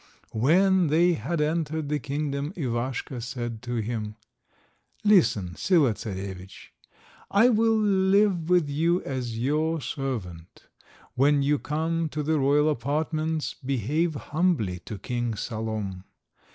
When they had entered the kingdom, Ivaschka said to him— "Listen, Sila Czarovitch, I will live with you as your servant. When you come to the royal apartments, behave humbly to King Salom.